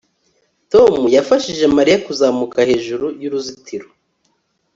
Tom yafashije Mariya kuzamuka hejuru yuruzitiro